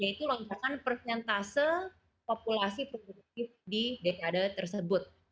yaitu lonjakan persentase populasi produktif di dekade tersebut